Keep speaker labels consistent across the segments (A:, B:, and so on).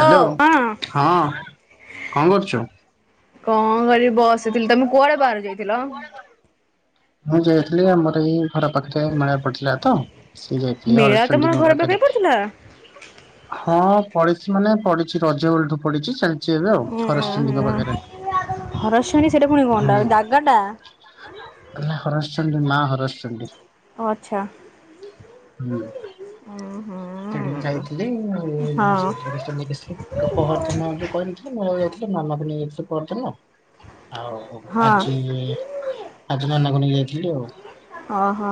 A: Hello ହଁ। କଣ କରୁଚୁ?
B: କଣ କରିବି ବସିଥିଲି। ତମେ କୁଆଡେ ବାହାରୁ ଯାଇଥିଲ?
A: ମୁଁ ଯାଇଥିଲି ଆମର ଏଇ ଘର ପାଖରେ ମେଳା ପଡିଥିଲା ତ। ସେଇ ଯାଇଥିଲା
B: ମେଳା ତମର
A: ହରଚଣ୍ଡୀ ଙ୍କ
B: ଘର
A: ପାଖରେ।
B: ପଡିଥିଲା?
A: ହଁ ପଡ଼ିଛି ମାନେ ପଡିଛି ରଜ ବେଳଠୁ ପଡିଛି ସେ
B: ଉଁ ହୁଁ ହୁଁ ହରଚଣ୍ଡୀ ସେଟା ପୁଣି କଣ ଟା ଜାଗା ଟା।
A: ନା ହର ସ ଚଣ୍ଡୀ ମା ହରସ ଚଣ୍ଡୀ।
B: ଓ ଆଚ୍ଛା।
A: ହୁଁ
B: ଉଁ
A: ସେଠିକି
B: ହୁଁ
A: ଯାଇଥିଲି ଏ
B: ହଁ
A: [inaudible] ହରଚଣ୍ଡୀ ଦେଖି କ ପହରଦିନ ଯଉ କହିନଥିଲି ମୁଁ [unintelligible] ଯାଉଥିଲି ମାମା କୁ ନେଇ ଯାଇଥିଲି ପହରଦିନ। ଆଉ
B: ହଁ
A: ଆଜି ଆଜି ନନାକୁ ନେଇକି ଯାଇଥିଲି ଆଉ।
B: ଓହୋ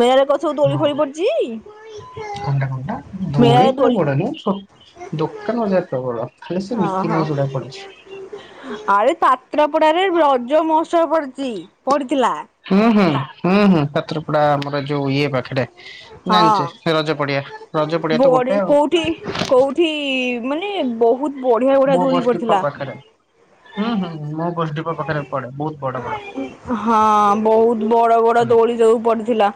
B: ମେଳାରେ କଣ ସବୁ ଦୋଳି ଫୋଳି ପଡିଛି?
A: କଣ ଟା କଣ ଟା ଦୋଳି ଫୋଳି ପଡେନି ଦୋକାନ ବଜାର ପ୍ରବଳ। ଖାଲି ସେ ମିକି
B: ଓହୋ
A: ମାଉସ ଗୁଡା ପଡିଚି।
B: ଆରେ ପାତ୍ରପଡାରେ ରଜ ମହୋତ୍ସବ ପଡଚି ପଡିଥିଲା।
A: ହୁଁ ହୁଁ ହୁଁ ହୁଁ ପାତ୍ରପଡା ଆମର ଯୋଉ ଇଏ ପାଖରେେ
B: ହଁ।
A: ଜାଣିଚେ ରଜ ପଡିଆ ରଜ ପଡିଆ ତ ଗୋଟେ ଆଉ।
B: ଥି ମାନେ ବହୁତ ବଢ଼ିଆ ବଢ଼ିଆ
A: ମୋ
B: ଦୋଳି
A: ବସ୍ ଡିପୋ
B: ପଡ଼ିଥିଲା।
A: ପାଖରେ। ହୁଁ ହୁଁ ମୋ ଗୋଷ୍ଠୀ ପାଖରେ ପଡେ ବହୁତ ବଡ ବଡ।
B: ହଁ ବହୁତ ବଡ ବଡ
A: ହୁଁ
B: ଦୋଳି ଯୋଉ ପଡିଥିଲା।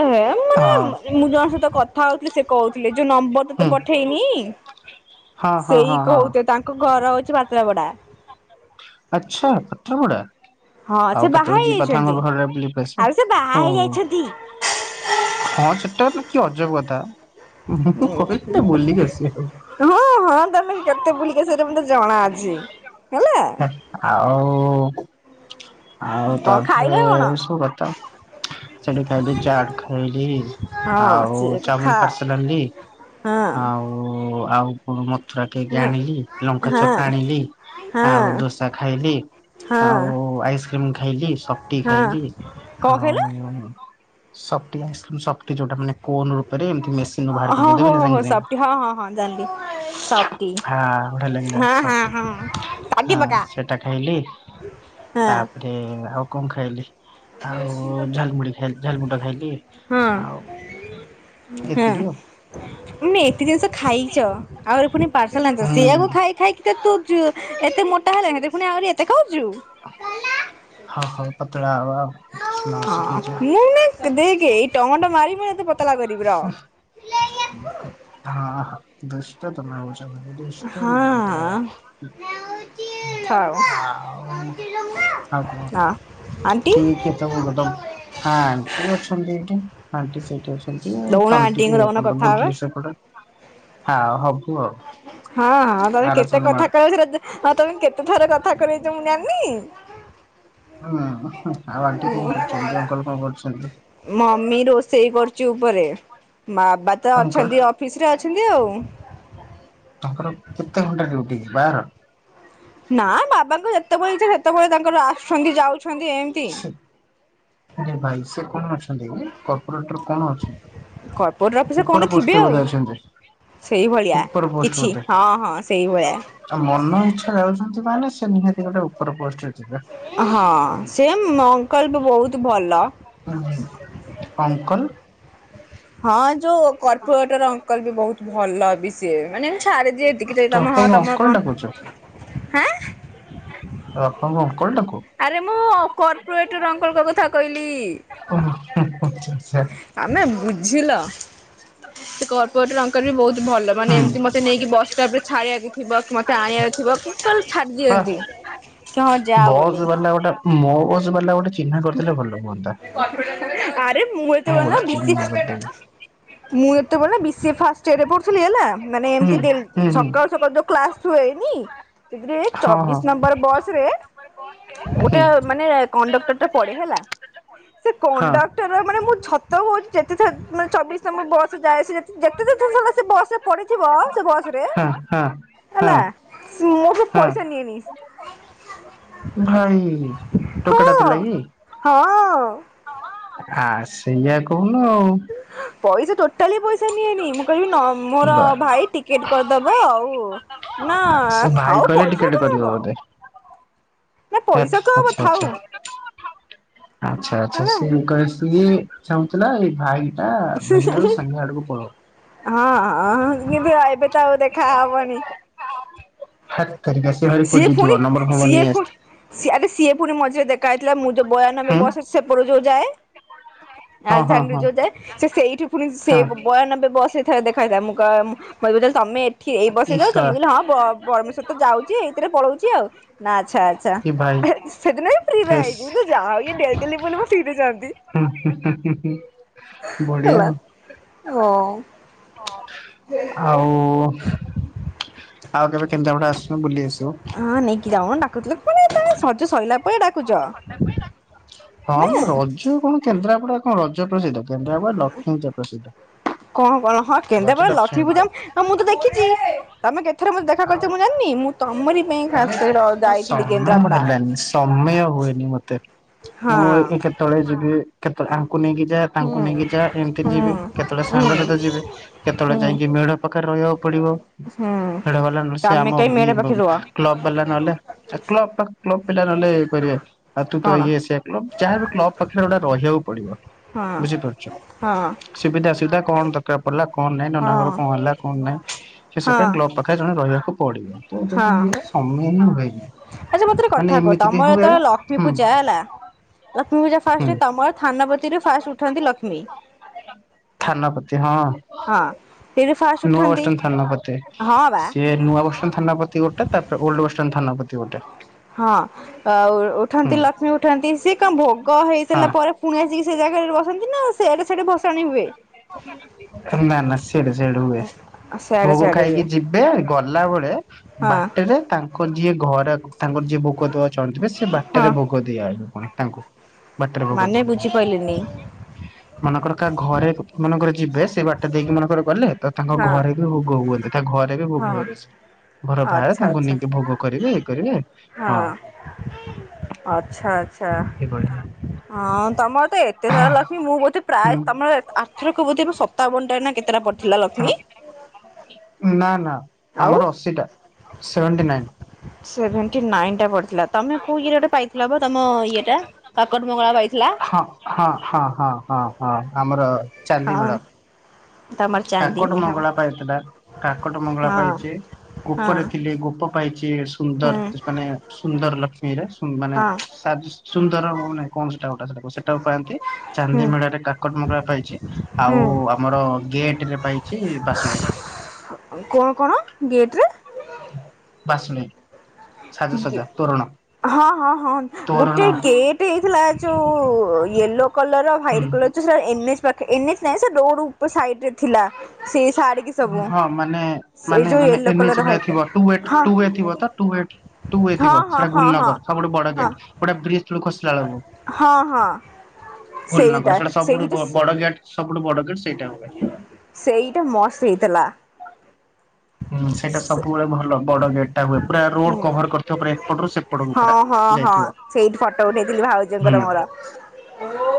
B: ଏ ମାନେ
A: ହଁ
B: ମୁଁ ଜଣଙ୍କ ସହିତ କଥା ହୋଉଥିଲି ସେ କହୁଥିଲି। ଯୋଉ ନମ୍ବର
A: ହୁଁ।
B: ତତେ ପଠେଇନି?
A: ହଁ ହଁ ହଁ ହଁ।
B: କୋ ଘର ହୋଉଚି ପାତ୍ରପଡା।
A: ଆଚ୍ଛା ପାତ୍ରପଡା?
B: ହଁ ସେ
A: ଆଉ
B: ବାହା
A: କେତୋଳେ ଯିବା ଥାଙ୍ଗ
B: ହେଇଯାଇଛନ୍ତି।
A: ଘରଆଡେ ବୁଲିକି
B: ଆରେ ସେ ବାହା
A: ଆସିବା।
B: ହେଇ ଯାଇଛନ୍ତି।
A: ହଁ ସେଟା ବି କି ଅଜବ କଥା ମୁଁ କହିଥିଲି ବୁଲିକି ଆସିବି ଆଉ।
B: ତମ ହଁ ହଁ ତମେ କେତେ ବୁଲିକି ଆସିବ ସେଇଟା ମତେ ଜଣାଅଛି।
A: ହେ ଆଉ ଆଉ
B: କଣ ଖାଇଲ
A: ତାପରେ
B: କଣ?
A: ଏସବୁ କଥା। ସେଠି ଖାଇଲି ଚାଟ ଖାଇଲି
B: ହଁ
A: ଆଉ
B: ସିଏ କୁ ଖା
A: ଚାଓମିନ ପାର୍ସଲ ଆଣଲି।
B: ହଁ।
A: ଆଉ ଆଉ ଉ ମଥୁରା
B: ହଁ
A: କେକଆଣିଲି। ଲଙ୍କା ଚପ
B: ହଁ।
A: ଆଣିଲି
B: ହଁ
A: ଆଉ ଦୋସା ଖାଇଲି।।
B: ହଁ
A: ଆଉ ଆଇସ୍କ୍ରିମ ଖାଇଲି, ସଫଟି
B: ହଁ
A: ଖାଇଲି।
B: କଣ
A: ଆଉ
B: କହିଲ?
A: ଶକ୍ତି ଆଇସ୍କ୍ରିମି ଶକ୍ତି ଯୋଉଟା ମାନେ କୋନରୁ। ଆରେ ଏମତି ମେସିନୁ ବାହାର
B: ହଁ ହଁ
A: କରି ଦେବେନି
B: ହଁ ହଁ
A: ସାଙ୍ଗେ
B: ସଫ୍ଟି ହଁ ହଁ ହଁ ଜାଣିଲି ସଫ୍ଟି
A: ସାଙ୍ଗେ। ହାଁ ବଢିଆ ଲାଗିଲା ଉଠେ
B: ହଁ ହଁ
A: ସଫଟ।
B: ହଁ
A: ହାଁ ସେଟା ଖାଇଲି।
B: ଆଁ।
A: ଏ ଆଉ କଣ ଖାଇଲି। ଆଉ ଝାଲ ମୁଢି ଖାଇଲି ଝାଲ ମୁୁଣ୍ଡଟା ଖାଇଲି
B: ହଁ
A: ଆଉ ଏତିକି ଆଉ।
B: ତମେ ଏତେ ଜିନିଷ ଖାଇଚ? ଆହୁରି ପୁଣି ପାର୍ସଲ୍ ଆଣଚ
A: ହୁଁ
B: ସିଆକୁ ଖାଇ ଖାଇ ତ ତୁଜ ଏତେ ମୋଟା ହେଲାଣି ଆହୁରି ଏତେ ଖାଉଚୁ।
A: ହଉ ହଉ ପତଳା ହବା ଆଉ। ସ୍ନ
B: ଆଉ
A: ଶୁଖିଯିବ।
B: ମୁଁ ଦେକ ଏଇ ଟମାଟୋ ମାରିିବ ଏତେ ବତ।
A: ହଁ ହଁ। ଦୁଷ୍ଟ ତମେ ହୋଉଚ ଭାରି ଦୁଷ୍ଟାମୀ ଟା
B: ହଁ।
A: ହୁଁ।
B: ଥାଉ।
A: ଆଉ ଆଉ କୁହ?
B: ହଁ ଆଣ୍ଟି।
A: ଠିକ ତମ ବଦମ ଆଣ୍ଟି ଅଛନ୍ତି କି? ଆଣ୍ଟି ସେଇଠି ଅଛ ଣ୍ଟି ମୋ
B: ଦଉନ
A: ତଣ୍ଟି କି
B: ଆଣ୍ଟିଙ୍କୁ
A: ଟିକେ
B: ଦଉନ
A: ତନେ
B: କଥା
A: ଟିକେ
B: ହେବେ।
A: ବୁଲି ସେପଟ ଆଉ ହେଉ।
B: ହଁ ତମେ କେତେ କଥା
A: ଆଡେ
B: କୋଉଥୁର ଯେ। ହଁ ତମେ କେତେ ଥର କଥା କରେଇଚ ମୁଁ ଜାନି।
A: ହଁ ଆଉ ଆଣ୍ଟି କଣ କରୁଚନ୍ତି? ଅଙ୍କଲ କଣ କରୁଚନ୍ତି?
B: ମମି ରୋଷେଇ କରୁଚି ଉପରେ, ବାବା ତ
A: ଅଙ୍କଲ
B: ଅଛନ୍ତିତ ଅ ଫିସରେ ଅଛନ୍ତି ଆଉ।
A: ତାଙ୍କର କେତେ ଘଣ୍ଟା ଡ଼ିୟୁଟି ବାର।
B: ନା ବାବାଙ୍କ ଯେତୋବେଳେ ଇଛା ସେତୋବେଳେ ତାଙ୍କର ଆସୁଚନ୍ତି ଯାଉଛନ୍ତି ଏମତି।
A: ରେ ଭାଇ ସେ କଣ ଅଛନ୍ତି? କର୍ପୋରେଟର କଣ ଅଛନ୍ତି?
B: କର୍ପୋରେଟ ଅଫିସରେ
A: ଉପର
B: କଣ ଥିବେ
A: ପୋଷ୍ଟରେ
B: ଆଉ।
A: ବୋଧେ ଅଛନ୍ତି।
B: ସେଇଭଳିଆ
A: ଉପର ପୋଷ୍ଟ
B: କିଛି
A: ବୋଧେ।
B: ହଁ ହଁ ସେଇଭଳିଆ।
A: ଆଉ ମନ ଇଚ୍ଛା ଯାଉଛନ୍ତି ମାନେ ସେ ନିହାତି ଗୋଟେ ଉପର ପୋଷ୍ଟରେ ଥିବେ।
B: ହଁ ସେମ ଅଙ୍କଲ ବି ବହୁତ ଭଲ।
A: ଉଁ ଅଙ୍କଲ
B: ହଁ ଯୋଉ କର୍ପୁରଟ ର ଅଙ୍କଲ ବି ବହୁତ ଭଲ ବି। ସିଏ ମାନେ ଛାଡ଼ି ଦିଏ ଟିକି ଟିକେ ତମହ ତମ ତମ କଣ। ହାଁ
A: ରତ୍ନଙ୍କ ଅଙ୍କଲ ଟାକୁ।
B: ଆରେ ମୁଁ କର୍ପୋରେଟର ଅଙ୍କଲ ଙ୍କ କଥା କହିଲି।
A: ଓ ଆଛା ଆଚ୍ଛା।
B: ଆମେ ବୁଝିଲ ସେ କର୍ପୋରେଟଙ୍କର ଅଙ୍କଲ ବି ବହୁତ ଭଲ ମାନେ
A: ହୁଁ।
B: ଏମିତି ମତେ ନେଇକି ବସ୍ ଷ୍ଟାପ ରେ ଛାଡିବାକୁ ଥିବ ମତେ ଆଣିବାକୁ ଥିବ କି କଲ ଛାଡି
A: ବା
B: ଦିଅନ୍ତି। କ ହଁ ଯାଅ
A: ବସ୍
B: ବୋଲି।
A: ବାଲା ଗୋଟେ ମୋ ବସ ପାରିଲା ଗୋଟେ। ଚିହ୍ନା କରିଦେଲେ ଭଲ ହୁଅନ୍ତା।
B: କର୍ପେରେଟର ଆରେ ମୁଁ ଏତେ ବାଲା
A: ଗୋଟେ ଚିହ୍ନା କରିଦେବି
B: ମୁଁ ଏତେ ବଡ଼କ ବିଶ୍ୱେ ସେ ଫାଷ୍ଟ। ଚେ ପୁଡୁଥିଲି ହେଲା ମାନେ
A: ହୁଁ
B: ଏମତି ଡେଲି
A: ହୁଁ ହୁଁ
B: ସକାଳୁ ସକାଳ ଯଉ କ୍ଲାସ ହୁଏନି। ସେ
A: ହଁ
B: ଚବିଶ
A: ହଁ।
B: ନମ୍ବର ବସ ରେ ଗୋଟେ
A: ହୁଁ।
B: ମାନେ କଣ୍ଡ ପଡ଼େ ହେଲା ସେ
A: ହଁ।
B: କଣ୍ଡକ୍ଟର ମାନେ ମୁଁ ଛ ତଉଛି ଯେତେ ଚ୍ଛା ମା ଚବିଶ ତମ ବସ ଯାଏ ଆସେ ଯେତେ ଥର ବସରେ ପଡିଥିବ ସେ ବସରେ
A: ହଁ ହଁ
B: ହେଲା
A: ହଁ
B: ମୁଁ ସେ ପଇସା ନିଏନି। ହ
A: ମୁଁ ଖାଇଯିବି ଟୋକେଟା ଥିଲା କି?
B: ହଁ ଅ।
A: ଆ ସେଇ ଯା କହୁନୁ ଆଉ।
B: ପଇସା ଟୋଟାଲି ପଇସା ନିଏନି ମୁଁ କହିବି ନ ମୋର
A: ବା
B: ଭାଇ ଟିକେଟ କରିଦବ ଆଉ ନା
A: ସେ ଭାଇ
B: ଆଉ
A: କହିଲେ
B: ପଇସା
A: ଟିକେଟ
B: କଣ ହବ? ନା
A: ଆା
B: ପଇସା କଣ ହବ
A: ଆଚ୍ଛା ଆଚ୍ଛା।
B: ଥାଉ
A: ଅଚ୍ଛା ଆଚ୍ଛା
B: ହେଲା।
A: ସେ କହସି ଚାହୁଁଥିଲା ଏଇ ଭାଇ ସେଟା ଭନରୁ ସନ୍ଧ୍ୟା ଆଡକୁ ପଳ।
B: ହଁ ହଁ ହଁ କିମିତି ଏବେ ତ ଆଉ ଦେଖା ହବନି।
A: ହାତ ତାରିଖା ସେ ଭାରି ଖୋଜୁଥିବ ନମ୍ବର ଫମ୍ବର ନେଇଆସିଥିବ।
B: ସିଆରେ ସିଏ ପୁରୀ ମଝିରେ ଦେଖା ହେଇଥିଲା ମୁଁ ଯୋଉ ବୟାନବେ
A: ହୁଁ।
B: ବର୍ଷ ସେପଟ ଯୋଉ ଯାଏ। ଆ
A: ହଁ ହଁ
B: ଧାଙ୍ଗଡି
A: ହଁ
B: ଯୋଉ ଯାଏ ସେ ସେଇଠୁ ପୁଣି ସେ
A: ହଁ।
B: ବୟାନବେ ବସେଇ ଏରେ ଦେଖାାଇଥିଲା ମୁଁ କ ତମେ ଏଠି ଏଇ ବସ
A: ଇଶା
B: ଯାଉଛ ମୁଁ କହିଲିଁ ପରମେଶ୍ୱର ତ ଯାଉଛି। ସିଏ ଏଇଥିରେ ପଳଉଛି ଆଉ ନା ଆଚ୍ଛା
A: କି ଭାଇ
B: ଆଚ୍ଛା। ସେଦିନ ବି ଫ୍ରି ରେ
A: ହେସ୍
B: ଆଇଛି ମୁଁ ତ ଯାହା ହଉ ଏ ଡେ ଡେଲି ବୋଲି ମୁଁ ଫିରେ ଯାଆନ୍ତି।
A: ସବୁ ଠିକ୍ ରେ ଚାଲିଚି। ହୁଁ ବଢିଆ ଆଉ।
B: ଅ।
A: ଆଉ। ଆଉ କେବେ କେନ୍ଦ୍ରାପଡ଼ା ଆସୁନୁ ବୁଲି ଆସିବ।
B: ହଁ ନେଇକି ଯାଉନ ଡାକୁଥିଲୁ ମାନେ ସେତେ ସଜ ସରିଲା ପରେ ଡାକୁଚ।
A: ହଁ ମ ରଜ କଣ କେନ୍ଦ୍ରାପଡା କଣ ରଜ ପ୍ରସିଦ୍ଧ କେନ୍ଦ୍ରାପଡା ରେ ଲକ୍ଷ୍ମୀ ପୂଜା ପ୍ରସିଦ୍ଧ।
B: କଣ କଣ ହଁ କେନ୍ଦ୍ରାପଡ଼ା ରେ ଲକ୍ଷ୍ମୀ ପୂଜା ହଁ ମୁଁ ତ ଦେଖିଛି। ତମେ କେଥରେ ମତେ ଦେଖା
A: ଆଉ
B: କରିଚ ମୁଁ ଜାଣିନି, ମୁଁ ତମରି ପାଇଁ
A: ଆରେ
B: ଖାସକରି
A: ସେଟା
B: ଯାଇଥିଲି
A: ସମୟ
B: କେନ୍ଦ୍ରାପଡା।
A: ହେଲାନି ସମୟ ହୁଏନି ମତେ। ମୁଁ ଏଇ କେତେବେଳେ ଯିବି କେତେଳେ ଆଙ୍କୁ ନେଇକି ଯା ତାଙ୍କୁ
B: ହୁଁ
A: ନେଇକି ଯା ଏମିତି ଯିବି କେତେବେଳେ
B: ହୁଁ
A: ସାଙ୍ଗ
B: ହୁଁ
A: ସହିତ ଯିବି କେତେବେଳେ
B: ହୁଁ
A: ଯାଇକି ମେଢ ପାଖରେ ରହିବାକୁ ପଡିବ।
B: ହୁଁ ତମେ କାହିଁ ମେଢ ପାଖରେ ରୁହ
A: [inaudible] କ୍ଲବ ବାଲା ନହେଲେ ଆ କ୍ଲବ ପା କ୍ଲବ ପିଲା ନହେଲେ ଇଏ କରିବେ। ଆ ତୁ ତ
B: କଣ
A: ଇଏ ସିଏ କ୍ଲବ ଯାହାବି କ୍ଲବ୍ ପାଖେରେ ଗୋଟେ ରହିଆକୁ ପଡିବ। ବୁଝିପାରୁଛ
B: ହଁ----ହଁ।
A: ସୁବିଧା ଅସୁବିଧା କଣ ଦରକାର ପଡିଲା କଣ ନାଇଁ
B: ହଁ
A: ନାନାଙ୍କର କଣ ହେଲା କଣ ନାଇଁ
B: ହଁ
A: ଏସବୁ ପାଇଁ କ୍ଲବ୍ ପାଖ୍ ପାଖେରେ ଜଣେ ରହିବାକୁ ପଡିବ, ତ
B: ହଁ
A: ସମୟ ହିଁ ହୁଏନି।
B: ଆଚ୍ଛା ମତେ ଗୋଟେ
A: ମାନେ
B: କଥା କୁହ,
A: ଏମିତି କି
B: ତମର
A: ହୁଏ
B: ଯେତେଳେ ଲକ୍ଷ୍ମୀ
A: ହୁଁ
B: ପୂଜା ହେଲା ଲକ୍ଷ୍ମୀ ପୂଜା
A: ହୁଁ
B: ଫାଷ୍ଟେ ତମର ଥାନପତୀରେ ଫାଷ୍ଟ୍ ଉଠନ୍ତି ଲକ୍ଷ୍ମୀ।
A: ଥାନାପତି ହଁ।
B: ହଁ। ସେଇଠୁ ଫାଷ୍ଟ
A: ନୂଆ
B: ଉଠନ୍ତି
A: ବସଷ୍ଟାଣ୍ଡ ଥାନାପତି।
B: ହଁ ବା
A: ସିଏ ନୂଆ ବସଷ୍ଟାଣ୍ଡ୍ ଥାନାପତି ଗୋଟେ ତାପରେ ଓଲଡ୍ ବସଷ୍ଟାଣ୍ଡ୍ ଥାନାପତି ଗୋଟେ।
B: ହଁ ଆ
A: ହୁଁ।
B: ଉଠନ୍ତି ଲକ୍ଷ୍ମୀ ଉଠନ୍ତି ସିଏ କଣ ଭୋଗ
A: ହଁ
B: ହେଇସାରିଲା ପରେ ପୁଣି ଆସିକି ସେ ଜାଗାରେ ରୁହନ୍ତି ନା ସେଆଡେ ସେଆଡେ ଭସାଣି ହୁଏ?
A: ନା ନା ସିଆଡେ ସିଆଡେ ହୁଏ।
B: ସେଆଡେ
A: ଭୋଗ
B: ସେଆଡେ ହୁଏ
A: ଖାଇକି ଯିବେ ଗଲାବେଳେ
B: ହଁ
A: ବାଟେରେ ତାଙ୍କ୍ ତାଙ୍କର ଯିଏ ଘରେ ତାଙ୍କର ଯିଏ ଭୋଗ ଦବା ଚାହୁଁଥିବେ ସିଏ
B: ହଁ।
A: ବାଟେରେ ଭୋଗ ଦେଇଆଣେ ହଁ ତାଙ୍କୁ। ବାଟରେ ଭୋଗ
B: ମାନେ
A: ଦେବ।
B: ବୁଝିପାରିଲିନି
A: ମନେକର କା ଘରେ ମାନେକର ଯିବେ ସେ ବାଟ ଦେଇକି ମନେକର ଗଲେ ତ ତାଙ୍କ
B: ହଁ
A: ଘରେ ବି ଭୋଗ ହୁଅନ୍ତି ତା ଘରେ ରେ ବି ଭୋଗ
B: ହଁ
A: ହେବେ ସେ। ଘର ବାହାରେ
B: ଆଚ୍ଛା
A: ତାଙ୍କୁ
B: ଆଚ୍ଛା।
A: ନେଇକି ଭୋଗ କରିବେ ଇଏ କରିବେ ହଁ।
B: ଆଚ୍ଛା ଆଚ୍ଛା।
A: ଏଇଭଳିଆ
B: ହଁ ତମର ତ ଏତେ ସାରା ଲକ୍ଷ୍ମୀ ମୁଁ ବୋଧେ
A: ହୁଁ
B: ପ୍ରାୟେ ତମର ଏତ୍ ଆ ରଥରକ ବୋଧେ ସତାବନଟା ନା କେତେଟା ପଡିଥିଲା ଲକ୍ଷ୍ମୀ।
A: ନା ନା
B: ଆଉ
A: ଆମର ଅଶୀଟା ସେଭେଣ୍ଟି ନାଇନ୍।
B: ସେଭେଣ୍ଟି ନାଇନ ଟା ପଡିଥିଲା ତମେ କୋଉ ଇଏରେ ଗୋଟେ ପାଇଥିଲ ବା ତମ ଇଏଟା କାକଟ ମଙ୍ଗଳା ପାଇଥିଲା।
A: ହଁ ହଁ ହଁ ହଁ ହଁ ହଁ ଆମର
B: ହଁ
A: ଚାନ୍ଦିମେଢ
B: ତମର
A: କାକଟ
B: ଚାନ୍ଦିନୀ ହଁ
A: ମଙ୍ଗଳା ପାଇଥିଲା କାକଟ ମଙ୍ଗଳା
B: ହଁ
A: ପାଇଚି
B: ହଁ
A: ଗୋପରେ ଥିଲୀ ଗୋପ ପାଇଚି
B: ହୁଁ
A: ସୁନ୍ଦର୍ ଜସ୍ ମାନେ ସୁନ୍ଦର ଲକ୍ଷ୍ମୀରେ ମାନେ
B: ହଁ
A: ସାଜ ସୁନ୍ଦର ହଉନାହିଁ। କଣ ସେଟା ଗୋଟା ସେଟାକ ସେଟାକୁ ପାଆନ୍ତି, ଚାନ୍ଦି
B: ହୁଁ
A: ମେଢରେ କାକଟ ମଙ୍ଗଳା ପାଇଚି ଆଉ ଆମର ଗେଟ୍ ରେ ପାଇଚି ବାସୁଳେଇ।
B: କଣ କଣ ଗେଟ୍ ରେ
A: ବାସୁଳେଇ। ସାଜସଜା ତୋରଣ
B: ଗେ-ହଁ ହଁ ହଁ
A: ତୋରଣ
B: ଗୋଟେ ଗେଟ୍ ହେଇଥିଲା ଯୋଉ ଉ ୟେଲୋ କଲରର୍
A: ହୁଁ
B: ହ୍ଵାଇଟ୍ କଲର ଯୋ ସେଇଟା ଏନ୍ ଏଚ୍ ପାଖେ ଏନ୍ ଏଚ ନାଇଁ ସେ ରୋଡ ଉପ-ସାଇଡ୍ ରେ ଥିଲା। ସେ ସାଡିକି ସବୁ
A: ହଁ ମାନେ
B: ସେ
A: ମାନେ
B: ଯୋଉ
A: ମାନେ
B: ୟେଲୋ
A: ଏନ୍ ଏଚ୍
B: କଲର
A: ଭଳିଆ
B: ହ୍ୱାଇଟ୍
A: ଥିବ ଟୁ ଏଟ୍
B: ହଁ
A: ଟୁ ୱେ ଥିବ ତ। ଟୁ ୱେଟ୍ ଟୁ ୱେ ଥିବ
B: ହଁ ହଁ
A: ସେଇଟା
B: ହଁ ହଁ
A: ଗୁଲନଗର ସବୁଠୁ ବଡ
B: ହଁ
A: ଗେଟ୍ ଗୋଟେ ବ୍ରିଜ ତଳୁକୁ ଖସିଲା ଏଳୁକୁ।
B: ହଁ ହଁ ସେଇଟା
A: ଗୁଲନଗର ସେଟା ସବୁଠୁ
B: ସେଇଟା
A: ବ-ବଡ ଗେଟ୍ ସବୁଠୁ ବଡ ଗେଟ୍ ସେଇଟା ହୁଏ।
B: ସେଇଟା ମସ୍ତ ହେଇଥେଲା।
A: ହୁଁ ସେଇଟା ସବୁବେଳେ ଭଲ ବଡ ଗେଟ୍ ଟା ହୁଏ ପୁରା ରୋଡ କଭର କରିଥିବ ପୁରା ଏପଟରୁ ସେପଟକୁ ପୁରା।
B: ହଁ ହଁ ହଁ
A: ଯାଇଥିବ
B: ସେଇଠି ଫଟୋ ଉଠେଇଥିଲି
A: ହୁଁ
B: ଭାଉଜଙ୍କର ମୋର।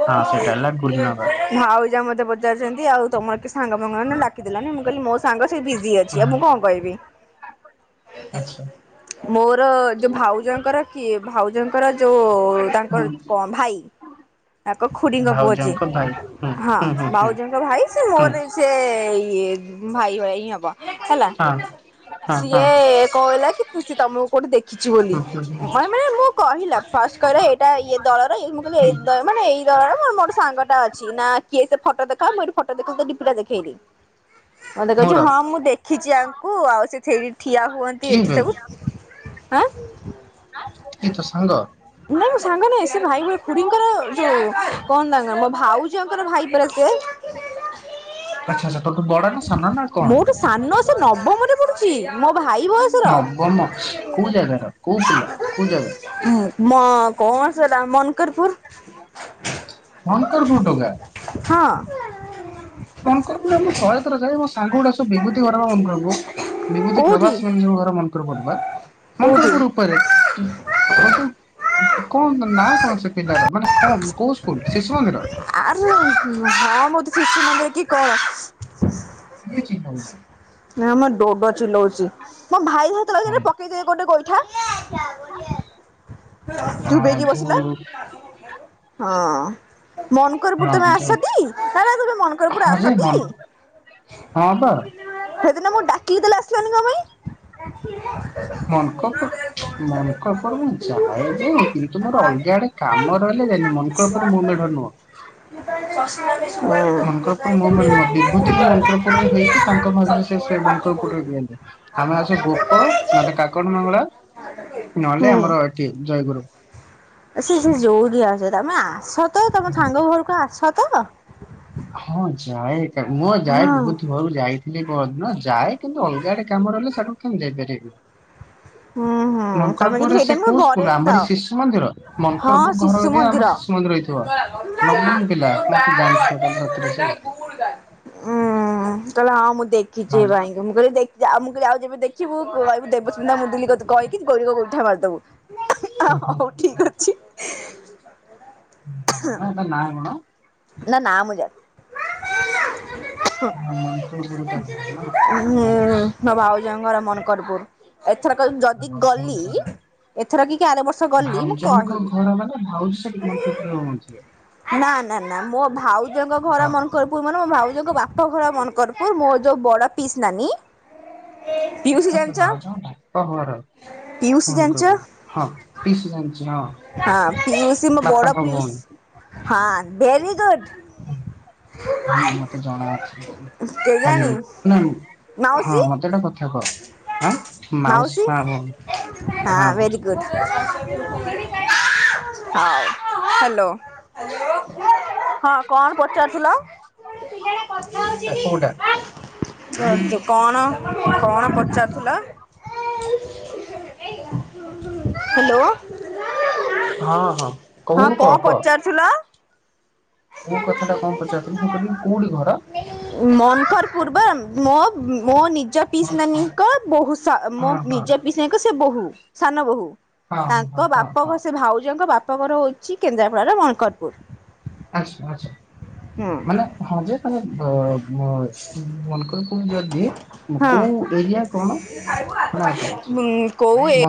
A: ହଁ ସେଇଟା ହେଲା ଗୁଲନଗର
B: ଭାଉଜ ମତେ ବ ପଚାରୁଛନ୍ତି ଆଉ ତମର କି ସାଙ୍ଗମାଙ୍ଗ ଡାକି ଦେଲନି ମୁଁ କହିଲି ମୋ ସାଙ୍ଗ ସେ ବିଜି ଅଛି।
A: ହୁଁ।
B: ମୁଁ କଣ କହିବି
A: ଆଚ୍ଛା
B: ମୋର ଯୋଉ ଭାଉଜଙ୍କର କି ଭାଉଜଙ୍କର ଯୋଉ
A: ହୁଁ
B: ତାଙ୍କର କ ଭାଇ ତାଙ୍କ ଖୁଡିଙ୍କ ପୁଅ ଯିଏ
A: ଭାଉଜଙ୍କ ଭାଇ ହୁଁ ହୁଁ ହୁଁ
B: ହଁ
A: ହୁଁ।
B: ଭାଉଜଙ୍କ ଭାଇ ସେ
A: ହୁଁ
B: ମୋର ସେଇ ଭାଇ ଭାଇ ହିଁ ହବ ହେଲା।
A: ହଁ ହଁ ହଁ
B: ସିଏ କହିଲା କି ସି ତମକୁ କୋଉଠି ଦେଖିଛି ବୋଲି।
A: ହୁଁ ହୁଁ ହୁଁ
B: ହ ମାନେ ମୁଁ କହିଲା ଫାଷ୍ଟ କହିଲା ଏଇଟା ଇଏ ଦଳର ମୁଁ କହିଲି
A: ହୁଁ।
B: ଏ ମାନେ ଏଇ ମୋର ସାଙ୍ଗ ଟା ଅଛି ନା କିଏ ସେ ଫଟୋ ଦେଖାଅ ମୁ ଏ ଫଟୋ ଦେଖ ଡିପି ଟା ଦେଖେଇଲି ମୋତେ କହୁଛି
A: ମୋର
B: ହଁ ମୁଁ ଦେଖିଛି ଆଙ୍କୁ ଆଉ ସେ ଠିଆ ହୁଅନ୍ତି
A: କିଏ
B: ଏଠି
A: ବେ
B: ସବୁ ଆଁ
A: ଏ ତ ସାଙ୍ଗ
B: ନାଇଁ ମୁଁ ସାଙ୍ଗ ନାଇଁ ସେ ଭାଇ ଭଳି ଖୁୀଡିଙ୍କର ଯୋଉ କଣ ତାଙ୍କ ମୋ ଭାଉ ଜଙ୍କର ଭାଇ ପରା ସେ।
A: ଆଚ୍ଛା ଆଚ୍ଛା ତୋଠୁ ବଡ଼ ନା ସାନ ନା କଣ?
B: ମୋଠୁ ସାନ ସେ ନବମରେ ପଡୁଛି ମୋ ଭାଇ ବୟସ।
A: ନବମ କୋଉ ଜାଗାର କୋଉ ପିଲା କୋଉ ଜାଗା?
B: ମ କଣ ସେଟା ମନକରପୁର
A: ମନକରପୁର ଟୋକା।
B: ହଁ
A: ମନକରପୁର ମୁଁ ଶହେ ଥର ଯାଏ, ମୋ ସାଙ୍ଗ ଗୁଡ଼ା ବିଭୂତି ଘର ପା ମନକରପୁର ବିଭୂତି
B: କୋଉଠି
A: ପ୍ରବାସ ସୁଇଁ ଯୋଉ ଘର ମନକରପୁର ବା।
B: କୋଉଠି?
A: ମନକରପୁର ଉପରେ ହଉଛ କଣ ନାଁ କଣ ସେ ପିଲାର ମାନେ କଣ କୋଉ ସ୍କୁଲ ଶିଶୁ ମନ୍ଦିର?
B: ଆରୁ ହଁ ମୋତେ ଶିଶୁ ମନ୍ଦିରେ କି କଣ
A: କିଛି ଖାଉନି।
B: ନା ମୋ ଡୋଡ ଚିଲଉଛି ମୋ ଭାଇ ହତ
A: ହଁ
B: ମାରିଦେବି ଗୋଟେ ଗୋଇ ଠା ଚୁପ୍
A: ହଁ
B: ହେଇକି
A: ଯୋଉ
B: ବସିଲା। ହଁ ମନକରପୁର ତମେ
A: ହଁ ଯୋଉ
B: ଆସଟି କ ତମେ ମନକରପୁର
A: ହଁ ଯେ ମନ
B: ଆସଟି
A: ହଁ ବା।
B: ସେଦିନ ମୁଁ ଡାକି ଦେଲେ ଆସିଲାନି କ ପାଇଁ?
A: ମନ ଖପ ମନଙ୍କପର ମୁଁ ଯାଏ ଯାଏ କିନ୍ତୁ ମୋର ଅଲଗା ଆଡ଼େ କାମ ରହିଲେ ଯାଇକି ମନ [unintelligible] ମୁଁ ମେଢ଼ ନୁହଁ।
B: ହଁ
A: ମନକରପୁର ମୋ ମାନ ମୋ ବିଭୂତି ବି ମନକରପୁରରେ ହେଇଛି ତାଙ୍କ ଭାଗରେ ସେ ମନକରପୁରରେ ବିଅେ ଆମେ ଆସୁ ଗୋପ ନହେଲେ କାକଟ ମଙ୍ଗଳା ନହେଲେ ଆମର ଏଠି ଜୟଗୁରୁ।
B: ସ ସେ ଯୋଉରିଆସ ତମେ ଆସ ତ ତମ ସାଙ୍ଗ ଘରକୁ ଆସ ତ।
A: ହଁ ଯାଏ ଏକା ମୁ ବା ଯାଏ
B: ହଁ
A: ବହୁତ ଘରକୁ ଯାଇ [unintelligible] ଯାଏ କିନ୍ତୁ ଅଲଗା ଆଡ଼େ କାମ ରହିଲେ [unintelligible] ନେଗେଟିଭ।
B: ହୁଁ ହୁଁ ତମେ କିନ୍ତୁ
A: ସେ
B: ସେଇଟା
A: କୋଉ
B: ଘରେ
A: ସ୍କୁଲ ଆମରି
B: ହେଇଥାଅ
A: ଶିଶୁ ମନ୍ଦିର
B: ହଁ
A: ମନକରପୁର ଘର
B: ଶିଶୁ
A: ଯଦି ଆମ
B: ମନ୍ଦିର।
A: ଶିଶୁ ମନ୍ଦିର ହେଇଥିବ।
B: [unintelligible] ଉୁଁ
A: ନବମ ପିଲା ମତେ ଜାଣିଥିବ ତାହେଲେ ସତରେ ସେ।
B: ତାହଲେ ହଁ ମୁଁ ଦେଖିଛି
A: ନା
B: ଏ ଭାଇଙ୍କୁ। ମୁଁ କହିଲି ଦେଖି ଆଉ ମୁଁ ଆଉ ଯେବେ ଦେଖିବୁ କହିବୁ ଦେବସ୍ମିତା ମୁଁ ଏମିତି କଥା କହିକି ଗୋଡ଼ରେ ଗୋଇଠା ମାରିଦବୁ।
A: ଓହୋ
B: ହଉ ଠିକ ଅଛି
A: ଓହୋ ମନ ଏଟା ନାଁ କଣ?
B: ତା ନାଁ ମୁଁ ଜାଣିନି। ମାମା
A: ଆଉ ମାଙ୍କଡ଼ ପରି ତା ଘର ନାଁ ଆଚ୍ଛା।
B: ଯୋଉ ଘର ମନଙ୍କରପୁର ଏଥର କିଲ ଯଦି ଗଲି
A: ଭାଉଜଙ୍କର
B: ଏଥର କି କି ଆର ବର୍ଷ ଗଲି ମୁଁ
A: ଭାଉଜଙ୍କ
B: କହିବି।
A: ଘର ମାନେ ଭାଉଜ ସେଠି ମନ ଖୁସିରେ ରହୁନଥିଲେ।
B: ନା ନା ନା ମୋ ଭାଉଜଙ୍କ
A: ଭା
B: ଘର ମନ୍ ମନଙ୍କରପୁର ମାନେ ମୋ ଭାଉଜଙ୍କ ବାପ ଘର ମନଙ୍କରପୁର। ମୋ ଯୋଉ ବଡ଼ ପିଇସୀ ନାନୀ ପିଉସୀ
A: ଆଚ୍ଛା ଆଚ୍ଛା
B: ଜାଣିଛ
A: ଭାଉଜଙ୍କ ବାପ ଘର
B: ପିଉସୀ
A: ଫୋନ
B: ଜାଣିଛ
A: କରବୋ ହଁ ପିଇସୀ ଜାଣିଚି ହଁ।
B: ହଁ ପିୟୁସି ମୋ ବଡ଼
A: ବାପାଙ୍କ
B: ପିୟୁସ୍
A: ଭଉଣୀ।
B: ହଁ ଭେରି ଗୁଡ଼୍।
A: ହୁଁ ମତେ ଜଣା ଅଛି। କାଲି
B: କେଜାଣି
A: ନା ହଁ
B: ମାଉସୀ
A: ମତେ ଗୋଟେ କଥା କହ। ଆଁ
B: ମାଉସୀ
A: ମା ଭଉଣୀ
B: ହଁ
A: ମା ଭଉଣୀ
B: ଭେରି ଗୁ ହଉ ହ୍ୟାଲୋ। ହଁ କଣ ପଚାରୁଥିଲ।
A: ଏ କୋଉଟା?
B: ରଜୋ କଣ କଣ ପଚାରୁଥିଲ? [unintelligible] ହ୍ୟାଲୋ
A: ହଁ ହଁ
B: ହଁ
A: କହୁନୁ କହ
B: କଣ
A: କହ
B: ପଚାରୁଥିଲ?
A: କୋଉ କଥାଟା କଣ ପଚାରଥିଲି? ମୁଁ କହିଲି କୋଉଠି ଘର?
B: ମନହରପୁର ବା ମୋ ମୋ ନି ନିଜ ପିଇସୀନାନୀଙ୍କ ବୋହୂ ସା ମୋ
A: ହଁ ହଁ।
B: ନିଜ ପିଇସୀନାନୀଙ୍କ ସେ ବୋହୂ ସାନ ବୋହୂ।
A: ହଁ ହଁ ହଁ
B: ତାଙ୍କ
A: ହଁ
B: ବାପ
A: ହଁ
B: ଘର ସେ ଭାଉଜଙ୍କ ବାପଘର ହଉଚି କେନ୍ଦ୍ରାପଡାର ମଙ୍କରପୁର।
A: ଆସ ଆସ ମାନେ
B: ହୁଁ
A: ହଁ ଯେ ମାନେ ମ ମନେ କର ଙ୍କୁ ଯଦି କୋଉ ଏରିଆ କଣ ଖୋଲା ଅଛି?
B: ହଁ କୋଉ